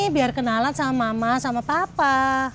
biar kenalan sama mama sama papa